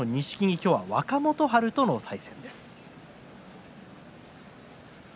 今日は若元春との対戦です。